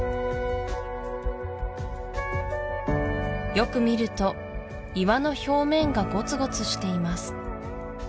よく見ると岩の表面がゴツゴツしています